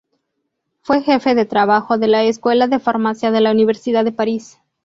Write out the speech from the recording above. Fue Jefe de trabajo de la Escuela de Farmacia de la Universidad de París.